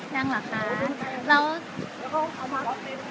ยังค่ะยังหรือคะเรา